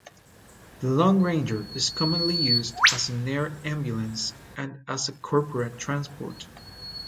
The LongRanger is commonly used as an air ambulance and as a corporate transport.